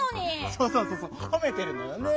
そうそうそうそうほめてるのよねぇ！